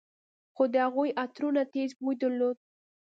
خو د هغوى عطرونو تېز بوى درلود.